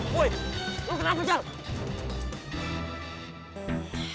woi lu kenapa jatuh